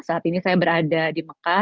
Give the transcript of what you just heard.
saat ini saya berada di mekah